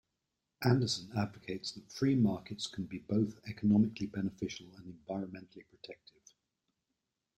Anderson advocates that free markets can be both economically beneficial and environmentally protective.